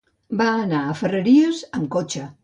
Va anar a Ferreries amb cotxe.